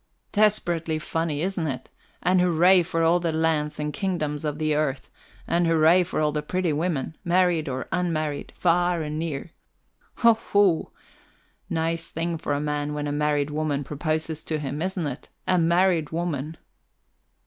Desperately funny, isn't it? And hurrah for all the lands and kingdoms of the earth, and hurrah for all the pretty women, married or unmarried, far and near. Hoho! Nice thing for a man when a married woman proposes to him, isn't it a married woman?"